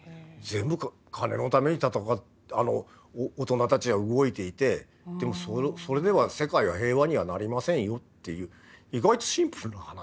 全部金のために大人たちは動いていてでもそれでは世界は平和にはなりませんよっていう意外とシンプルな話。